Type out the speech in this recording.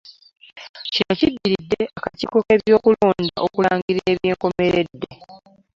Kino kiddiridde akakiiko k'ebyokulonda okulangirira ebyenkomeredde